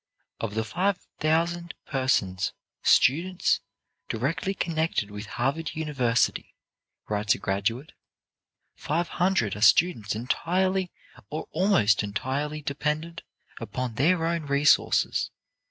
"Of the five thousand persons students, directly connected with Harvard University," writes a graduate, "five hundred are students entirely or almost entirely dependent upon their own resources.